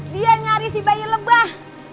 dia nyari si bayi lebah